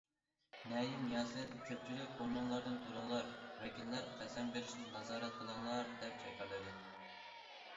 نەيىم ياسىن« كۆپچىلىك ئورنۇڭلاردىن تۇرۇڭلار، ۋەكىللەر قەسەم بېرىشنى نازارەت قىلىڭلار» دەپ جاكارلىدى.